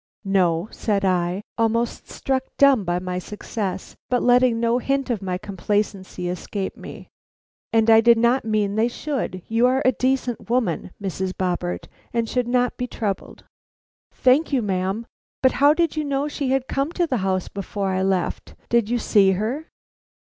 "No," said I, almost struck dumb by my success, but letting no hint of my complacency escape me. "And I did not mean they should. You are a decent woman, Mrs. Boppert, and should not be troubled." "Thank you, ma'am. But how did you know she had come to the house before I left. Did you see her?"